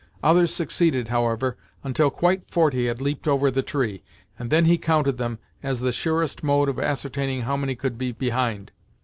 Others succeeded, however, until quite forty had leaped over the tree, and then he counted them, as the surest mode of ascertaining how many could be behind.